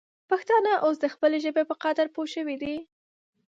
پښتانه اوس د خپلې ژبې په قدر پوه سوي دي.